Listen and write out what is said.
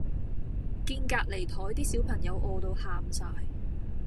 見隔離枱啲小朋友餓到喊哂